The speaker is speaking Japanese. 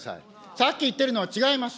さっき言ってるのは違います。